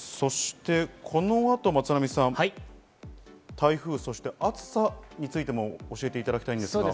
この後、松並さん、台風、そして暑さについても教えていただきたいですが。